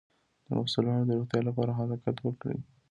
د مفصلونو د روغتیا لپاره حرکت وکړئ